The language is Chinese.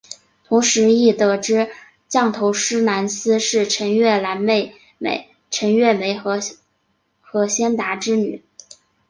同时亦得知降头师蓝丝是陈月兰妹妹陈月梅和何先达之女。